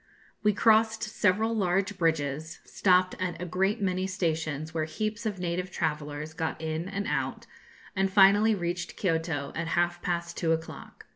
We crossed several large bridges, stopped at a great many stations, where heaps of native travellers got in and out, and finally reached Kioto at half past two o'clock.